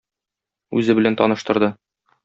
Үзе белән таныштырды.